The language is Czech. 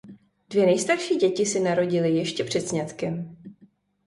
Dvě nejstarší děti se narodily ještě před sňatkem.